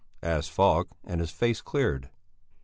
asked Falk, and his face cleared.